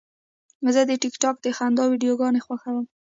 زه د ټک ټاک د خندا ویډیوګانې خوښوم.